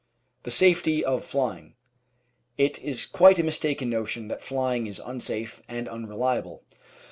The Safety of Flying It is quite a mistaken notion that flying is unsafe and un reliable.